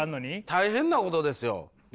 大変なことですよ大丈夫？